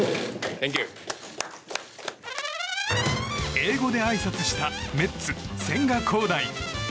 英語であいさつしたメッツ、千賀滉大。